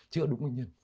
chữa đúng nguyên nhân